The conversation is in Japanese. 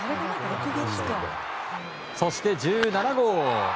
そして１７号。